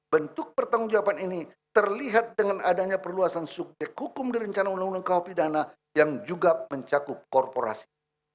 bentuk pertanggungjawaban ini terlihat dengan adanya perluasan subjek hukum di rencana undang undang khpi dana yang juga mencakup korporasi